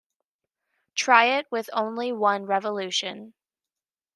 Try it with only one revolution.